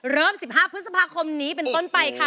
เริ่ม๑๕พฤษภาคมนี้เป็นต้นไปค่ะ